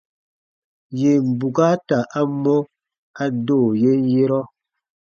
Yèn bukaata a mɔ, a do yen yerɔ.